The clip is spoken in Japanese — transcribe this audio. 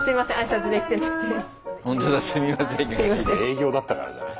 営業だったからじゃない。